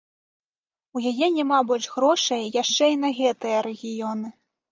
У яе няма больш грошай яшчэ і на гэтыя рэгіёны.